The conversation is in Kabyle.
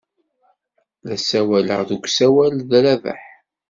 La ssawaleɣ deg usawal ed Rabaḥ.